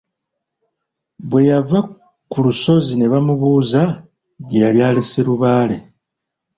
Bwe yava ku lusozi ne bamubuuza gye yali alese Lubaale.